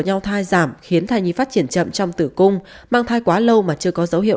nhau thai giảm khiến thai nhi phát triển chậm trong tử cung mang thai quá lâu mà chưa có dấu hiệu